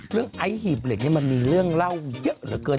ไอ้หีบเหล็กนี่มันมีเรื่องเล่าเยอะเหลือเกิน